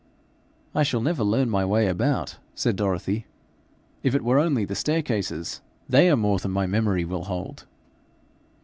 'I shall never learn my way about,' said Dorothy. 'If it were only the staircases, they are more than my memory will hold.'